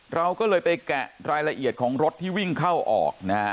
เราก็เลยไปแกะรายละเอียดของรถที่วิ่งเข้าออกนะฮะ